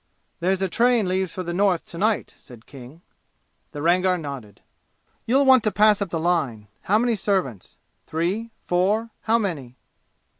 "There's a train leaves for the North to night," said King. The Rangar nodded. "You'll want a pass up the line. How many servants? Three four how many?"